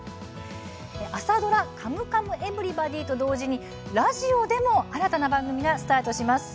朝ドラ「カムカムエヴリバディ」と同時に、ラジオでも新たな番組がスタートします。